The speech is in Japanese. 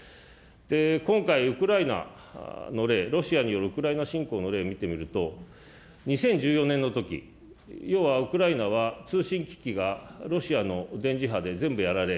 今回、ウクライナの例、ロシアによるウクライナ侵攻の例を見てみると、２０１４年のとき、要はウクライナは通信機器がロシアの電磁波で全部やられ、